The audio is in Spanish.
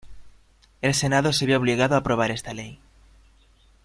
El Senado se vio obligado a aprobar esta ley.